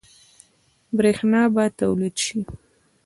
برښنا به تولید شي؟